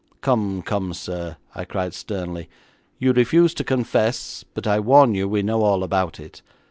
'Come, come, sir,' I cried sternly, 'you refuse to confess, but I warn you we know all about it.